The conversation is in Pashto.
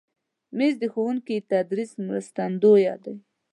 مېز د ښوونکي د تدریس مرستندوی دی.